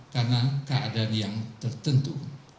karena keadaan yang tertentu